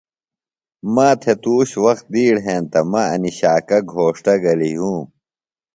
ما تھےۡ تُوش وخت دِیڑ ہینتہ مہ انیۡ شاکہ گھوݜٹہ گلیۡ یُھوم